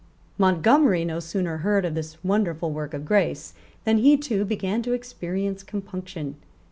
Montgomery no sooner heard of this wonderful work of grace than he too began to experience compunction.